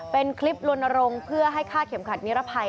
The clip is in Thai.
เป็นคลิปลนรงค์เพื่อให้ฆ่าเข็มขัดนิรภัย